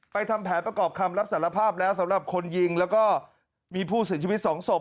ทำแผนประกอบคำรับสารภาพแล้วสำหรับคนยิงแล้วก็มีผู้เสียชีวิตสองศพ